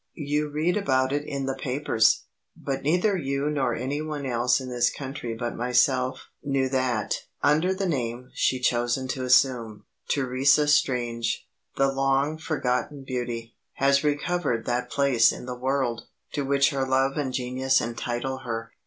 You read about it in the papers, but neither you nor any one else in this country but myself knew that under the name she chosen to assume, Theresa Strange, the long forgotten beauty, has recovered that place in the world, to which her love and genius entitle her.